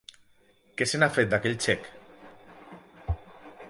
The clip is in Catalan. Què se n'ha fet d'aquell xec?